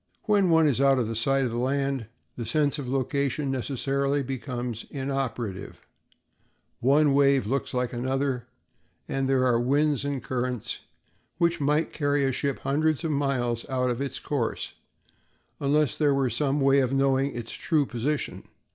When one is out of sight of land the sense of location necessarily becomes inoperative; one wave looks like another, and there are winds and currents which might carry a ship hundreds of miles out of its course unless there were some way of knowing its true position.